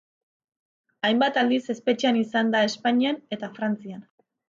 Hainbat aldiz espetxean izan da Espainian eta Frantzian.